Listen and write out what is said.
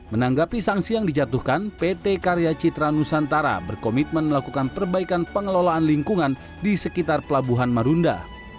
menanggapi sanksi yang dijatuhkan pt karya citra nusantara berkomitmen melakukan perbaikan pengelolaan lingkungan di sekitar pelabuhan marunda